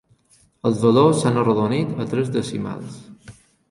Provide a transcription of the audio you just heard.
Els valors s'han arrodonit a tres decimals.